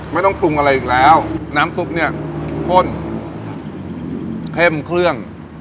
ไม่ต้องปรุงอะไรอีกแล้วน้ำซุปเนี่ยข้นเข้มเครื่อง